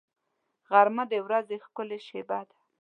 غرمه د ورځې ښکلې شېبه ده